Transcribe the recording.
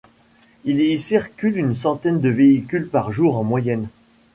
Il y circule une centaine de véhicules par jour en moyenne.